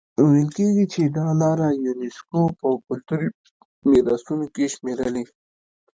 ویل کېږي چې دا لاره یونیسکو په کلتوري میراثونو کې شمېرلي.